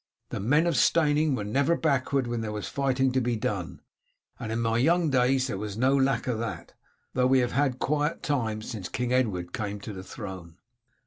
The men of Steyning were never backward when there was fighting to be done, and in my young days there was no lack of that, though we have had quiet times since King Edward came to the throne."